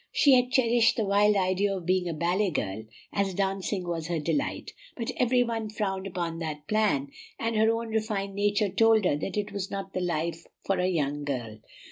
She had cherished the wild idea of being a ballet girl, as dancing was her delight; but every one frowned upon that plan, and her own refined nature told her that it was not the life for a young girl.